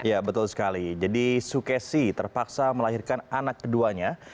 ya betul sekali jadi sukesi terpaksa melahirkan anak keduanya